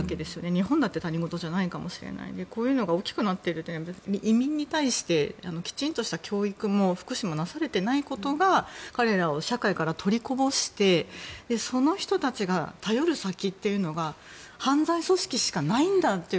日本だって他人事じゃないかもしれないのでこういうのが大きくなっているというのは移民に対してきちんとした教育も福祉もなされていないことが彼らを社会から取りこぼしてその人たちが頼る先というのが犯罪組織しかないんだと。